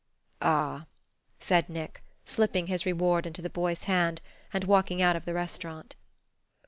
"Ah " said Nick, slipping his reward into the boy's hand, and walking out of the restaurant.